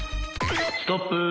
ストップ。